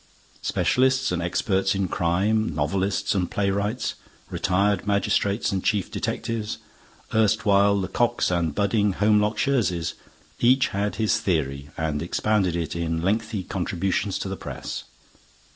Specialists and experts in crime, novelists and playwrights, retired magistrates and chief detectives, erstwhile Lecocqs and budding Holmlock Shearses, each had his theory and expounded it in lengthy contributions to the press.